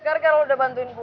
garga lu udah bantuin gue